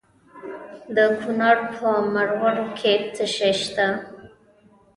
د کونړ په مروره کې څه شی شته؟